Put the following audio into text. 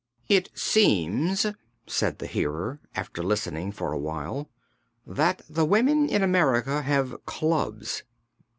"It seems," said the Hearer, after listening for awhile, "that the women in America have clubs."